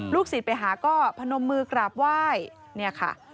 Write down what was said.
ศิษย์ไปหาก็พนมมือกราบไหว้เนี่ยค่ะ